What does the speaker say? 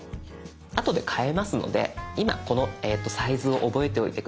あとで変えますので今このサイズを覚えておいて下さい。